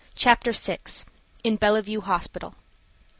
CHAPTER VI. IN BELLEVUE HOSPITAL.